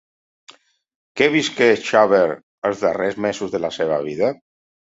Què visqué Schubert els darrers mesos de la seva vida?